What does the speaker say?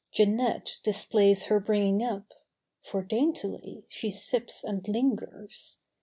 Jeanette displays her bringing up. For daintily she sips and lingers.